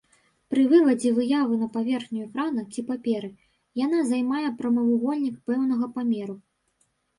Пры вывадзе выявы на паверхню экрана ці паперы яна займае прамавугольнік пэўнага памеру.